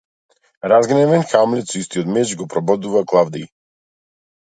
Разгневен, Хамлет со истиот меч го прободува Клавдиј.